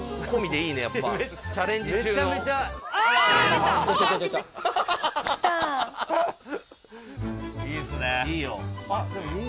いいよ。